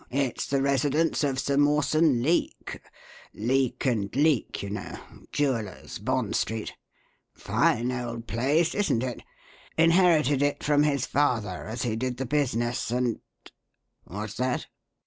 It's the residence of Sir Mawson Leake Leake & Leake, you know: Jewellers, Bond Street. Fine old place, isn't it? Inherited it from his father, as he did the business, and What's that?